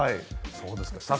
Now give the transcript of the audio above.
そうですか。